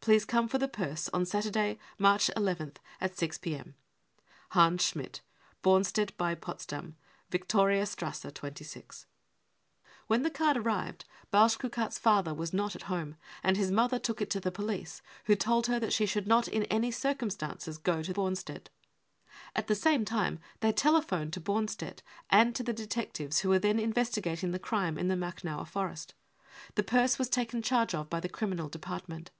Please come for the purse on Saturday, March nth, at 6 p.m. 'Hans Schmidt, Bomstedt bei Potsdam, c Viktorias trasse 26/ 55 When the card arrived, Balschukat's father was not at home, and his mother took it to the police, who told her that she should not in any circumstances go to Born stedt. At the same time they telephoned to Bornstedt and to the detectives who were then investigating the crime in the Machnower Forest. The purse was taken charge of by the Criminal Department.